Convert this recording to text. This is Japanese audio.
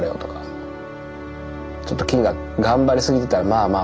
ちょっと菌が頑張りすぎてたらまあまあ